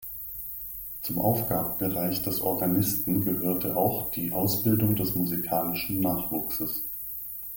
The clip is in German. Zum Aufgabenbereich des Organisten gehörte auch die Ausbildung des musikalischen Nachwuchses.